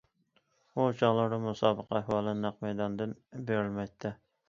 ئۇ چاغلاردا مۇسابىقە ئەھۋالى نەق مەيداندىن بېرىلمەيتتى.